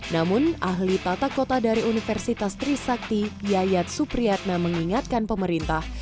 namun ahli tata kota dari universitas trisakti yayat supriyatna mengingatkan pemerintah